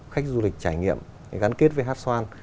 khách du lịch trải nghiệm gắn kết với hát xoan